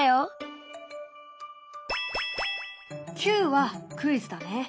「Ｑ」はクイズだね。